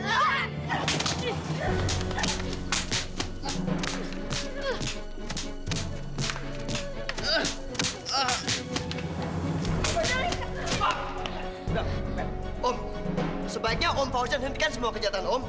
om sebaiknya om faucian hentikan semua kejahatan om